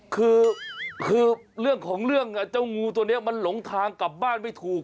คือเรื่องของเรื่องเจ้างูตัวนี้มันหลงทางกลับบ้านไม่ถูก